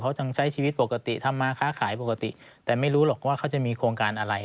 เขายังใช้ชีวิตปกติทำมาค้าขายปกติแต่ไม่รู้หรอกว่าเขาจะมีโครงการอะไร